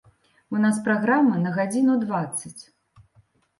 У нас праграма на гадзіну дваццаць.